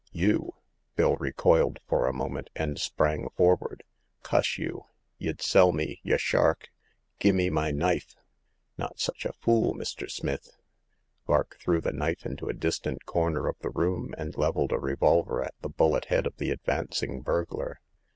•'You ?" Bill recoiled for a moment, and The Seventh Customer. 203 sprang forward. Cuss you ! Y'd sell me, y* shark ! Gimme my knife !"*' Not such a fool, Mr. Smith !" Vark threw the knife into a distant corner of the room, and leveled a revolver at the bullet head of the advancing burglar.